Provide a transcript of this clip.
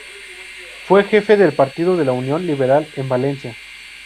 Fue jefe del partido de la Unión Liberal en Valencia.